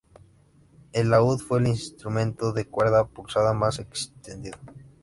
El laúd fue el instrumento de cuerda pulsada más extendido.